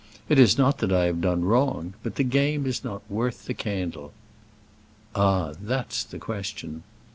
It is not that I have done wrong, but the game is not worth the candle." "Ah; that's the question."